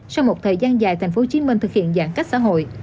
sau một thời gian dài tp hcm thực hiện giãn cách xã hội